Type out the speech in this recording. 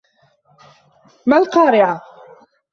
مَا القارِعَةُ